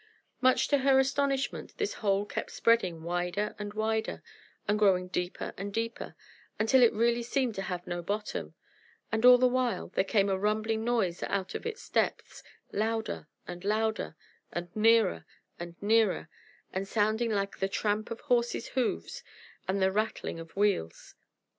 Much to her astonishment, this hole kept spreading wider and wider, and growing deeper and deeper, until it really seemed to have no bottom; and all the while, there came a rumbling noise out of its depths, louder and louder, and nearer and nearer, and sounding like the tramp of horses' hoofs and the rattling of wheels.